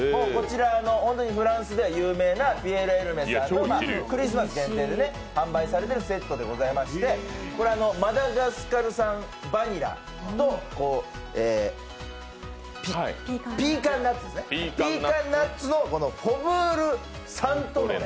フランスでは有名なピエール・エリメさんのクリスマス限定で販売されているセットでございまして、マダガスカル産バニラとピーカンナッツのフォブールサントノレ。